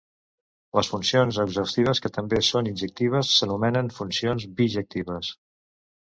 Les funcions exhaustives que també són injectives s'anomenen funcions bijectives.